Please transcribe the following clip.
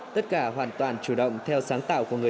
tất cả hoàn toàn chủ động theo sáng tạo của người